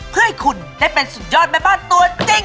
เพื่อให้คุณได้เป็นสุดยอดแม่บ้านตัวจริง